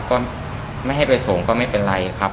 ก็ไม่ให้ไปส่งก็ไม่เป็นไรครับ